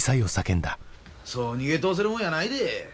そう逃げ通せるもんやないで。